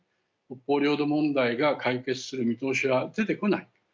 北方領土問題が解決する見通しは出てこない。